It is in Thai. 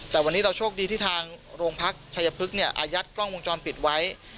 แต่วันนี้เราโชคดีที่ทางโรงพักชัยพฤกษ์อายัดกล้องวงจรปิดไว้